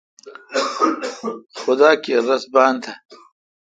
خدا کیر رس بان تھ ۔